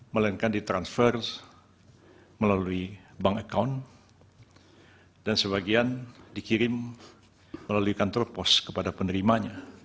melainkan ditransfer melalui bank account dan sebagian dikirim melalui kantor pos kepada penerimanya